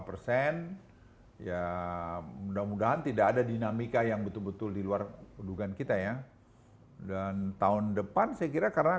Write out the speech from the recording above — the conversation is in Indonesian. persen ya mudah mudahan tidak ada dinamika yang betul betul di luar dugaan kita ya dan tahun depan saya kira karena